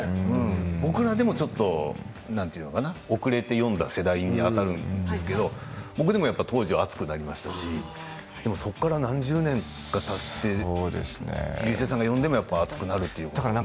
僕らでも、ちょっとなんて言うのかな遅れて読んだ世代にあたるんですけれども僕も当時、熱くなりましたしでも、そこから何十年かたって竜星さんが読んでも熱くなると。